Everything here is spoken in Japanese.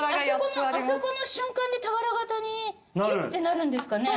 あそこの瞬間で俵型にキュッてなるんですかね？